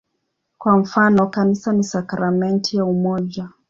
Kwa mfano, "Kanisa ni sakramenti ya umoja".